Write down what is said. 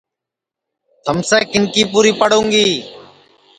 تھمیسے کِن کی پُوری ہے